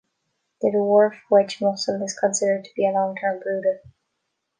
The dwarf wedgemussel is considered to be a long-term brooder.